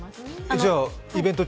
じゃあイベント中？